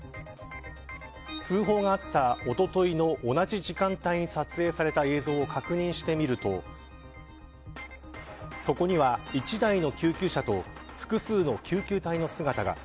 通報があったおとといの同じ時間帯に撮影された映像を確認してみるとそこには１台の救急車と複数の救急隊の姿が。